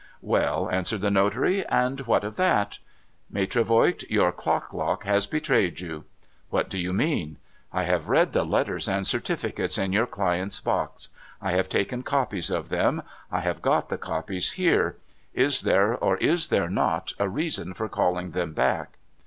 * Well,' answered the notary. ' And what of that ?'' Maitre Voigt, your clock lock has betrayed you.' ' \\'hat do you mean ?'* I have read the letters and certificates in your client's l)Ox. I have taken copies of them. I have got the copies here. Is there, or is there not, a reason for calling them back?'